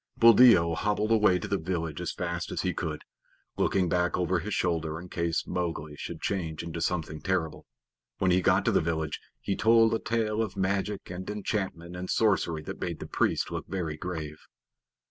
Buldeo hobbled away to the village as fast as he could, looking back over his shoulder in case Mowgli should change into something terrible. When he got to the village he told a tale of magic and enchantment and sorcery that made the priest look very grave.